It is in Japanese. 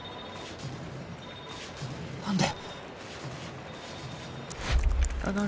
何で？